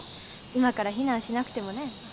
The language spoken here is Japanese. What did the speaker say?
今から避難しなくてもねえ。